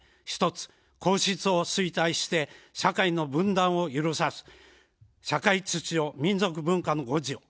１つ、皇室を推戴して社会の分断を許さず社会秩序、民族文化の護持を。